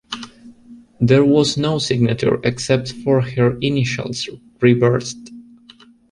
There was no signature except for her initials reversed.